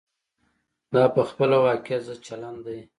دا په خپله واقعیت ضد چلن دی.